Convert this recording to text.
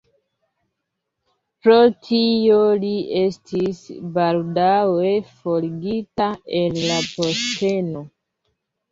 Pro tio li estis baldaŭe forigita el la posteno.